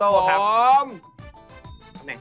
ต้องทำเป็นสามกษัตริย์นะ